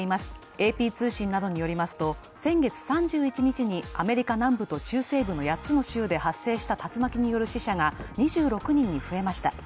ＡＰ通信などによりますと先月３１日にアメリカ南部と中西部の８つの州で発生した竜巻による死者が２６人に増えました。